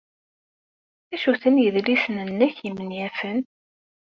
D acu-ten yidlisen-nnek imenyafen?